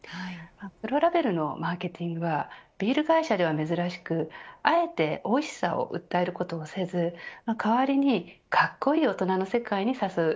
黒ラベルのマーケティングはビール会社では珍しくあえて、おいしさを訴えることをせず代わりにかっこいい大人の世界に誘う